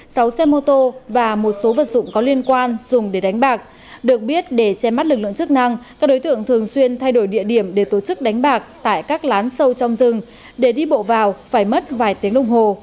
sáu xe mô tô và một số vật dụng có liên quan dùng để đánh bạc được biết để che mắt lực lượng chức năng các đối tượng thường xuyên thay đổi địa điểm để tổ chức đánh bạc tại các lán sâu trong rừng để đi bộ vào phải mất vài tiếng đồng hồ